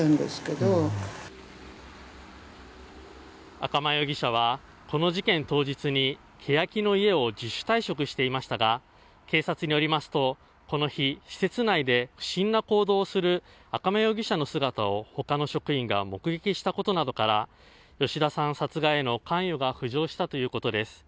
赤間容疑者はこの事件当日にけやきの舎を自主退職していましたが警察によりますとこの日、施設内で不審な行動をする赤間容疑者の姿を他の職員が目撃したことなどから吉田さん殺害への関与が浮上したということです。